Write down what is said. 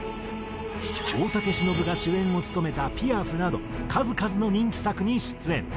大竹しのぶが主演を務めた『ピアフ』など数々の人気作に出演。